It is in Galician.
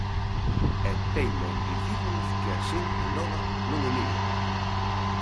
E teima en dicirnos que a xente nova non emigra.